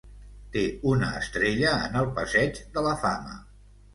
Té una estrella en el Passeig de la Fama.